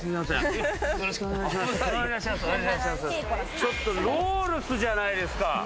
ちょっと、ロールスじゃないですか。